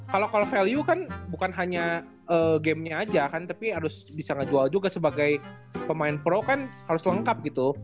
kalau value kan bukan hanya gamenya aja kan tapi harus bisa ngejual juga sebagai pemain pro kan harus lengkap gitu